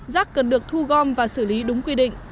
rác cần được thu gom và xử lý đúng quy định